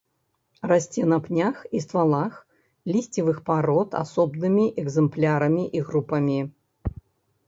Расце на пнях і ствалах лісцевых парод асобнымі экзэмплярамі і групамі.